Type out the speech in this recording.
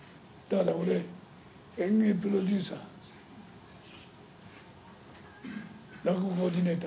だから俺、演芸プロデューサー。